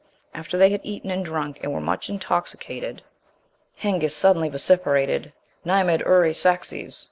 After they had eaten and drunk, and were much intoxicated, Hengist suddenly vociferated, "Nimed eure Saxes!"